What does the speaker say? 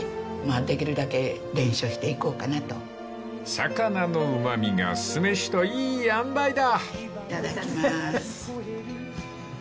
［魚のうま味が酢飯といいあんばいだ］